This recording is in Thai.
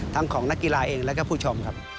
ของนักกีฬาเองแล้วก็ผู้ชมครับ